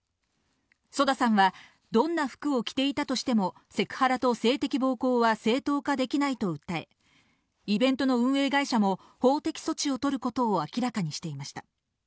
ＳＯＤＡさんはどんな服を着ていたとしても、セクハラと性的暴行は正当化できないと訴え、イベントの運営会社も法的措置を取ることを明らかにしていました。